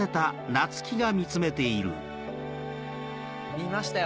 見ましたよ